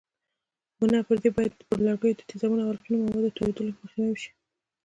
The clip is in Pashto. بنا پر دې باید پر لرګیو د تیزابونو او القلي موادو توېدلو مخنیوی وشي.